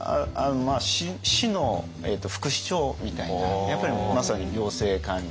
市の副市長みたいなやっぱりまさに行政官僚で。